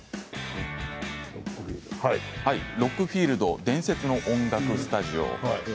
「ロックフィールド伝説の音楽スタジオ」。